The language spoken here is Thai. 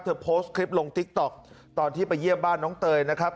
โพสต์คลิปลงติ๊กต๊อกตอนที่ไปเยี่ยมบ้านน้องเตยนะครับ